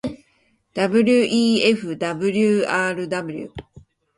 wefwrw